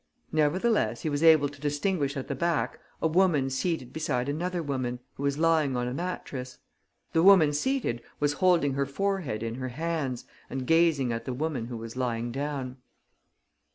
Nevertheless he was able to distinguish at the back a woman seated beside another woman, who was lying on a mattress. The woman seated was holding her forehead in her hands and gazing at the woman who was lying down.